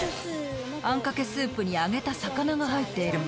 あんかけスープに揚げた魚が入っているの。